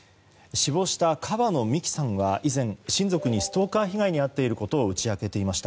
死亡した川野美樹さんは以前、親族にストーカー被害に遭っていることを打ち明けていました。